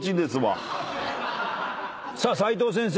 さあ齋藤先生